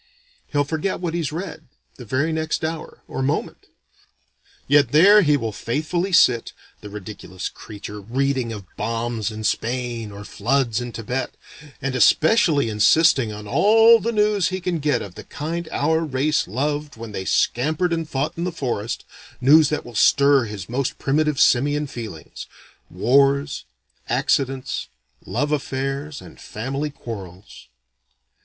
He'll forget what he's read, the very next hour, or moment. Yet there he will faithfully sit, the ridiculous creature, reading of bombs in Spain or floods in Thibet, and especially insisting on all the news he can get of the kind our race loved when they scampered and fought in the forest, news that will stir his most primitive simian feelings, wars, accidents, love affairs, and family quarrels.